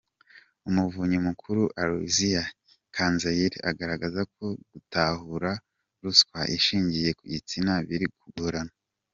Umuvunyi mukuru, Aloysia Cyanzayire agaragaza ko gutahura ruswa ishingiye ku gitsina biri kugorana